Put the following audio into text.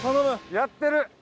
やってる。